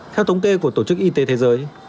theo thống kê của tổ chức y tế thế giới